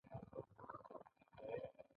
پرچون پلورنه په مستقیم ډول په خلکو پلورل دي